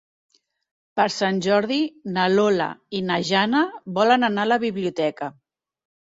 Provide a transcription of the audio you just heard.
Per Sant Jordi na Lola i na Jana volen anar a la biblioteca.